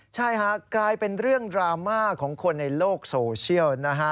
ใช่ฮะกลายเป็นเรื่องดราม่าของคนในโลกโซเชียลนะฮะ